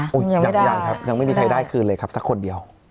ยังยังครับยังไม่มีใครได้คืนเลยครับสักคนเดียว